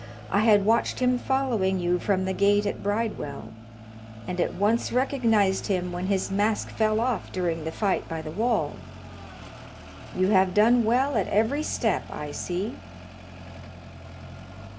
I had watched him following you from the gate at Bridewell, and at once recognized him when his mask fell off during the fight by the wall. You have done well at every step, I see."